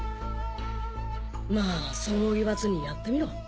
まあそう言わずにやってみろ。